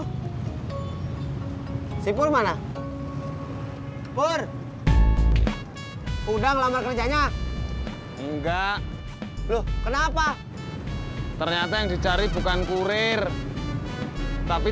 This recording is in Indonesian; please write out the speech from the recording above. hai sipur mana pur udah ngelamar kerjanya enggak loh kenapa ternyata yang dicari bukan kurir tapi